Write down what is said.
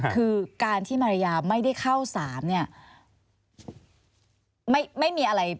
คือการที่มารยาไม่ได้เข้า๓เนี่ย